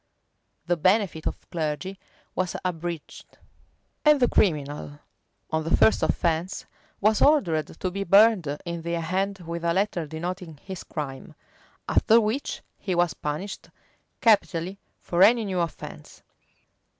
[] The benefit of clergy was abridged;[] and the criminal, on the first offence, was ordered to be burned in the hand with a letter denoting his crime; after which he was punished capitally for any new offence.